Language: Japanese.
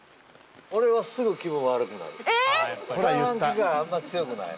俺はすぐ気分悪くなる。